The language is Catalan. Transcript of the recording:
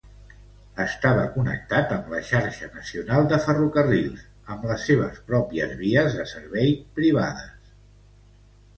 Estava connectat amb la xarxa nacional de ferrocarrils, amb les seves pròpies vies de servei privades.